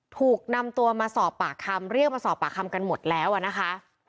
ถูกนำตัวมาสอบปากคำเรียกมาสอบปากคำกันหมดแล้วอะนะคะ